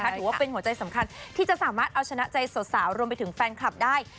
ถือว่าเป็นหัวใจสำคัญที่จะสามารถเอาชนะใจสาวรวมไปถึงแฟนคลับได้